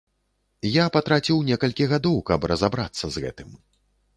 Я патраціў некалькі гадоў, каб разабрацца з гэтым.